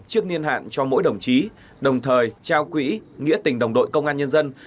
trước niên hạn cho mỗi đồng chí đồng thời trao quỹ nghĩa tình đồng đội công an nhân dân